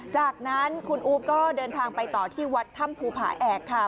จากนั้นคุณอู๊บก็เดินทางไปต่อที่วัดถ้ำภูผาแอกค่ะ